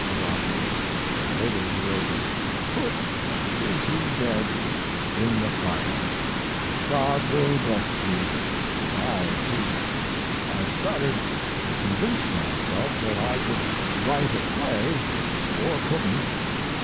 to Rogers. Later he wrote: "Put 'Is He Dead?' in the fire. God will bless you. I too. I started to convince myself that I could write a play, or couldn't.